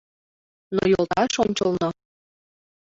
Но йолташ ончылно